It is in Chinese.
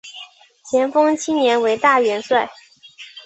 咸丰七年为大元帅。